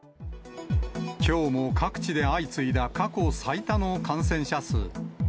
きょうも各地で相次いだ、過去最多の感染者数。